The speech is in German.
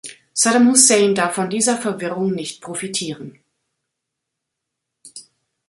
Saddam Hussein darf von dieser Verwirrung nicht profitieren.